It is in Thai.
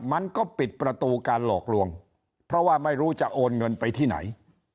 มันก็ปิดประตูการหลอกลวงเพราะว่าไม่รู้จะโอนเงินไปที่ไหน